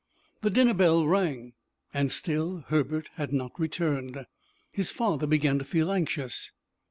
The dinner bell rang, and still Herbert had not returned. His father began to feel anxious.